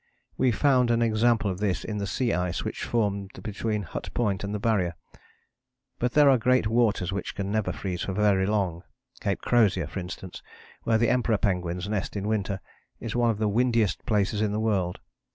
We found an example of this in the sea ice which formed between Hut Point and the Barrier. But there are great waters which can never freeze for very long. Cape Crozier, for instance, where the Emperor penguins nest in winter, is one of the windiest places in the world.